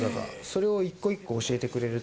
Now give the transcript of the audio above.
それを一個一個教えてくれるっていう。